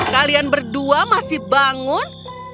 kalian berdua masih bangun